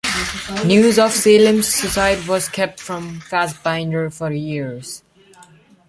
News of Salem's suicide was kept from Fassbinder for years.